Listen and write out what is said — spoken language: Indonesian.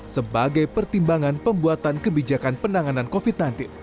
sebagai pertimbangan pembuatan kebijakan penanganan covid sembilan belas